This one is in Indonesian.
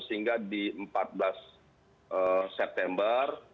sehingga di empat belas september